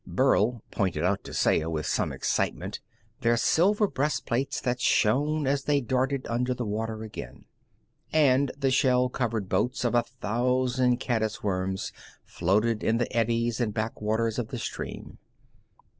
Burl pointed out to Saya, with some excitement, their silver breast plates that shone as they darted under the water again. And the shell covered boats of a thousand caddis worms floated in the eddies and back waters of the stream.